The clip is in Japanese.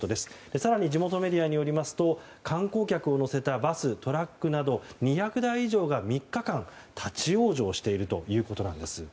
更に地元メディアによりますと観光客を乗せたバストラックなど２００台以上が３日間立ち往生しているということです。